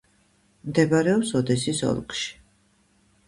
მდებარეობს ოდესის ოლქში.